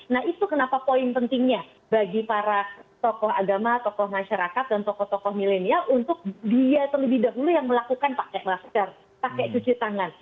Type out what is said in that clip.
nah itu kenapa poin pentingnya bagi para tokoh agama tokoh masyarakat dan tokoh tokoh milenial untuk dia terlebih dahulu yang melakukan pakai masker pakai cuci tangan